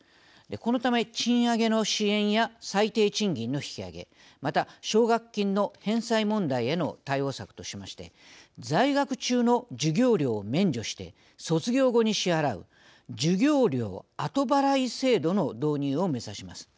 このため、賃上げの支援や最低賃金の引き上げまた、奨学金の返済問題への対応策としまして在学中の授業料を免除して卒業後に支払う授業料後払い制度の導入を目指します。